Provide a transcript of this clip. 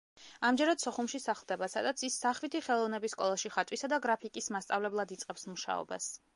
ამჯერად სოხუმში სახლდება, სადაც ის სახვითი ხელოვნების სკოლაში ხატვისა და გრაფიკის მასწავლებლად იწყებს მუშაობას.